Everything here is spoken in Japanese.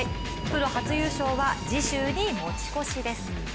プロ初優勝は次週に持ち越しです。